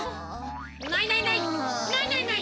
ないないない！